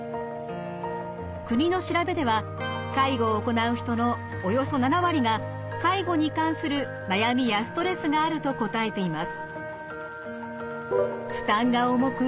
国の調べでは介護を行う人のおよそ７割が介護に関する悩みやストレスがあると答えています。